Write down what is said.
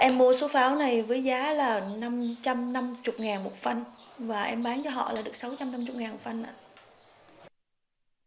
em mua số pháo này với giá là năm trăm năm mươi ngàn một phân và em bán cho họ là được sáu trăm năm mươi ngàn một phân ạ